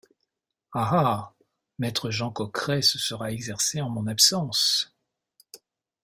Ah ! ah ! maître Jean Coqueret se sera exercé en mon absence.